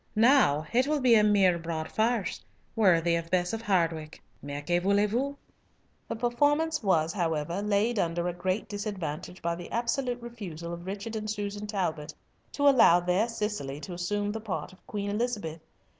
Now it will be a mere broad farce, worthy of Bess of Hardwicke. Mais que voulez vous?" The performance was, however, laid under a great disadvantage by the absolute refusal of Richard and Susan Talbot to allow their Cicely to assume the part of Queen Elizabeth.